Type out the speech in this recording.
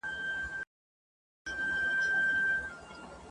شمعي که بلېږې نن دي وار دی بیا به نه وینو !.